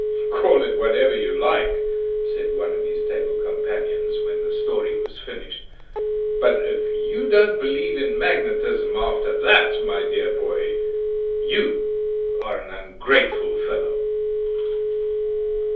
"Call it whatever you like," said one of his table companions, when the story was finished; "but if you don't believe in magnetism after that, my dear boy, you are an ungrateful fellow!"